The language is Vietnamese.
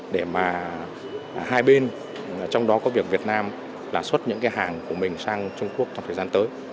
để mà hai bên trong đó có việc việt nam là xuất những cái hàng của mình sang trung quốc trong thời gian tới